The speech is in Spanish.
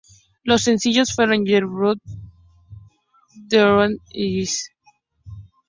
Los sencillos fueron "Getting Through", "They're Here", y "It's You".